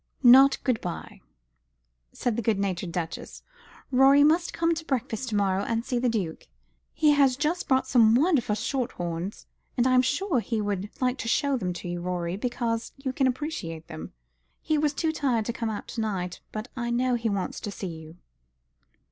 "Not good bye," said the good natured Duchess; "Rorie must come to breakfast to morrow, and see the Duke. He has just bought some wonderful short horns, and I am sure he would like to show them to you, Rorie, because you can appreciate them. He was too tired to come out to night, but I know he wants to see you."